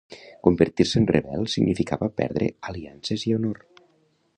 Convertir-se en "rebel" significava perdre aliances i honor.